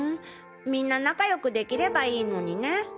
みんな仲良くできればいいのにね。